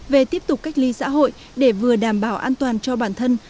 về tiếp tục cách ly xã hội để vừa đảm bảo an toàn cho bản thân